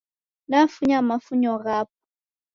Nafunya mafunyo ghapo